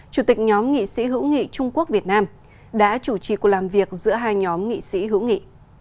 chủ tịch nhóm nghị sĩ hữu nghị trung quốc việt nam đã chủ trì cuộc làm việc giữa hai nhóm nghị sĩ hữu nghị